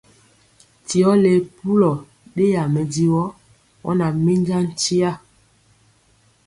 Ti ɔ le pulɔ ɗeyaa mɛdivɔ, ɔ na minja nkya.